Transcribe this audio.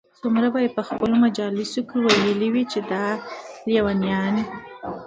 څومره به ئې په خپلو مجالسو كي ويلي وي چې دا ليونيان